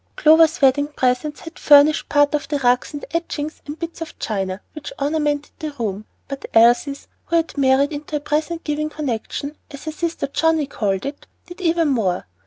Clover's wedding presents had furnished part of the rugs and etchings and bits of china which ornamented the room, but Elsie's, who had married into a "present giving connection," as her sister Johnnie called it, did even more.